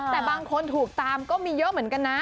แต่บางคนถูกตามก็มีเยอะเหมือนกันนะ